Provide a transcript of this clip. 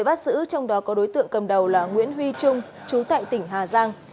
bác sữ trong đó có đối tượng cầm đầu là nguyễn huy trung trú tại tỉnh hà giang